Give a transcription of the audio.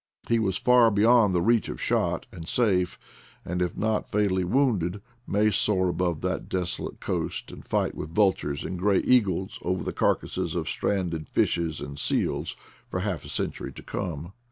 He was far beyond the reach of shot, and safe, and if not fatally wounded, may soar above that desolate coast, and fight with vul tures and gray eagles over the carcasses of stranded fishes and seals for half a century to come.